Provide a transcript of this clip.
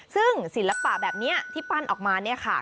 ซึ่งศิลปะแบบนี้ที่ปั้นออกมาเนี่ยค่ะ